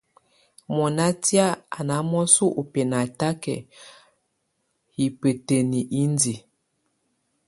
Mɔ́ná tɛ̀á ná mɔsɔ ú bɛ́natakɛ hibǝ́tǝ́ni indiǝ.